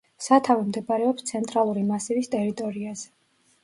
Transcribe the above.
სათავე მდებარეობს ცენტრალური მასივის ტერიტორიაზე.